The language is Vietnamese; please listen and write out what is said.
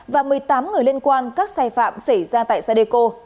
và một mươi tám người liên quan các sai phạm xảy ra tại sadeco